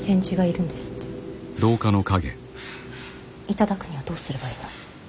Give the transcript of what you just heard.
頂くにはどうすればいいの。